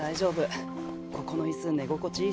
ここの椅子寝心地いいし。